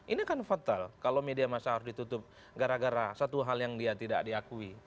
ini kan fatal kalau media masa harus ditutup gara gara satu hal yang dia tidak diakui